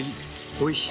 おいしい。